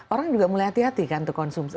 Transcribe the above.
orang juga mulai hati hati kan untuk konsumsi